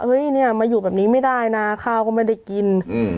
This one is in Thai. เนี่ยมาอยู่แบบนี้ไม่ได้นะข้าวก็ไม่ได้กิน